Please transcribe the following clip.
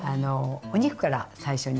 お肉から最初に。